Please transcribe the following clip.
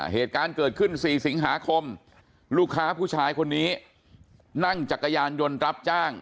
เหตุการณ์เกิดขึ้น๔สิงหาคมลูกค้าผู้ชายคนนี้นั่งจักรยานยนต์รับจ้าง